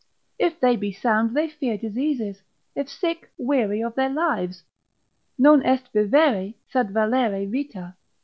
If they be sound, they fear diseases; if sick, weary of their lives: Non est vivere, sed valere vita.